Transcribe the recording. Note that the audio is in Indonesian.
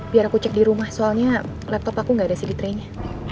biar aku cek di rumah soalnya laptop aku nggak ada sih di trainnya